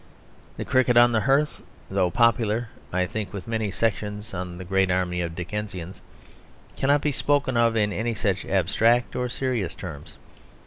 The Cricket on the Hearth, though popular, I think, with many sections of the great army of Dickensians, cannot be spoken of in any such abstract or serious terms.